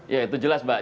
ya itu jelas mbak